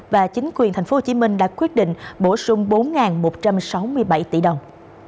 và chính quyền tp hcm đã quyết định bổ sung bốn một trăm sáu mươi bảy tỷ đồng